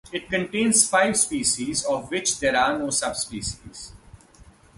It contains five species of which there are no subspecies.